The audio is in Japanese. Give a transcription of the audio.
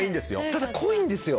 ただ、濃いんですよ。